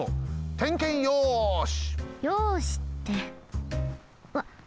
てんけんよし！